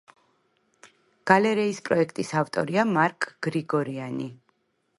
გალერეის პროექტის ავტორია მარკ გრიგორიანი.